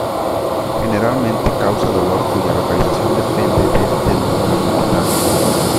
Generalmente causa dolor cuya localización depende del tendón afectado.